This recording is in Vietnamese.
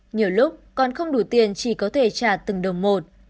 nhiều lúc còn không đủ tiền chỉ có thể trả từng đồng một